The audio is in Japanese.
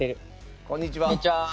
こんにちは。